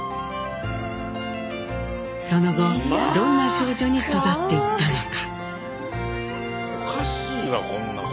その後どんな少女に育っていったのか。